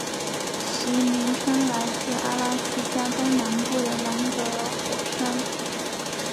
其名称来自阿拉斯加东南部的兰格尔火山。